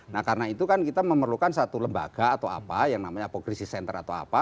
nah karena itu kan kita memerlukan satu lembaga atau apa yang namanya apocrisis center atau apa